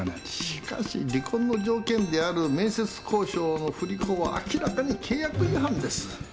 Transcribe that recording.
しかし離婚の条件である面接交渉の不履行は明らかに契約違反です。